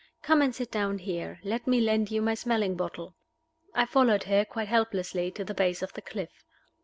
Come and sit down here; let me lend you my smelling bottle." I followed her, quite helplessly, to the base of the cliff.